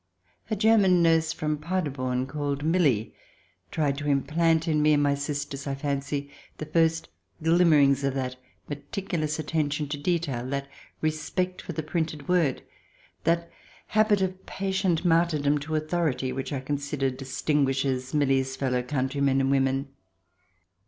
A German nurse from Paderborn, called Milly, tried to implant in me and my sisters, I fancy, the first glimmerings of that meticulous attention to detail, that respect for the printed word, that habit of patient martyrdom to authority, which I consider distinguishes Milly's fellow countrymen and women.